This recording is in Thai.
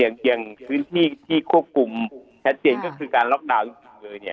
อย่างพื้นที่ที่ควบคุมชัดเต้นก็คือการล็อกดาวน์